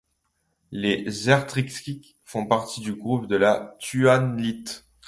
La zektzerite fait partie du groupe de la tuhualite.